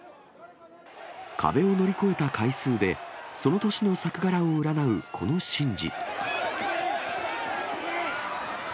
壁を乗り越えた回数で、その年の作柄を占うこの神事。